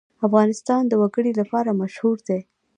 افغانستان د وګړي لپاره مشهور دی.